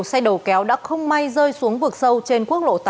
xe đầu kéo đã không may rơi xuống vực sâu trên quốc lộ tám